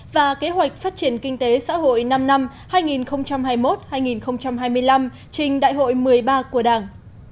và kế hoạch phát triển kinh tế xã hội năm năm hai nghìn hai mươi một hai nghìn hai mươi năm trình đại hội một mươi ba của đảng